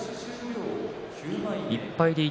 １敗で一